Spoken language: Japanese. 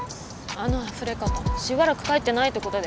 あのあふれ方しばらく帰ってないってことですよ。